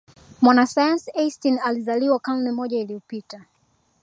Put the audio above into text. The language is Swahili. mwanasayansi einstein alizaliwa karne moja iliyopita